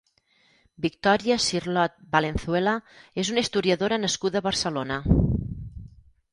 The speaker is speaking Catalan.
Victòria Cirlot Valenzuela és una historiadora nascuda a Barcelona.